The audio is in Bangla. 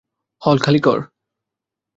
হল খালি কর।